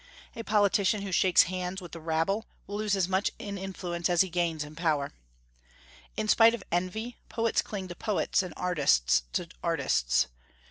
A politician who shakes hands with the rabble will lose as much in influence as he gains in power. In spite of envy, poets cling to poets and artists to artists.